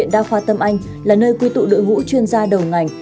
tâm anh là nơi quy tụ đội ngũ chuyên gia đầu ngành